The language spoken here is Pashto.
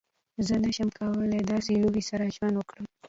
زه نشم کولی د داسې لوحې سره ژوند وکړم